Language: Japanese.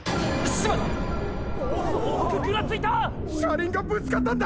車輪がぶつかったんだ！！